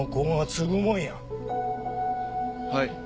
はい。